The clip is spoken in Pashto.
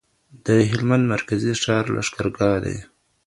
د هلمند مرکزي ښار لشکرګاه دی.